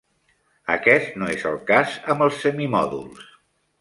Aquest no és el cas amb els semimòduls.